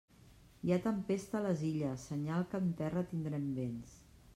Hi ha tempesta a les Illes, senyal que en terra tindrem vents.